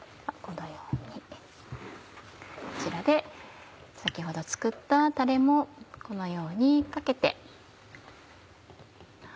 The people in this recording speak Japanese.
こちらで先ほど作ったたれもこのようにかけて。